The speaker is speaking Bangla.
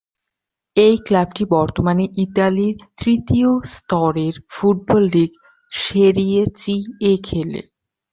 এই ক্লাবটি বর্তমানে ইতালির তৃতীয় স্তরের ফুটবল লীগ সেরিয়ে চি-এ খেলে।